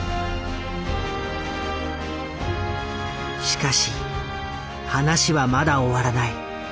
しかし話はまだ終わらない。